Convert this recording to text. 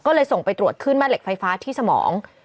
ก็เลยส่งไปตรวจขึ้นแม่เหล็กไฟฟ้าที่สมอง